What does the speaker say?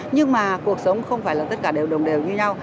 nhưng mà cuộc sống không phải là tất cả đều đồng đều như nhau